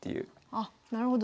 あっなるほど。